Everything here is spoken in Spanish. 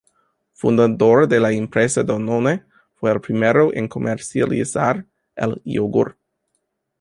Fundador de la empresa Danone, fue el primero en comercializar el yogur.